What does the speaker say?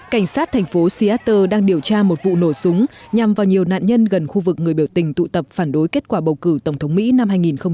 cảnh sát thành phố seatter đang điều tra một vụ nổ súng nhằm vào nhiều nạn nhân gần khu vực người biểu tình tụ tập phản đối kết quả bầu cử tổng thống mỹ năm hai nghìn một mươi sáu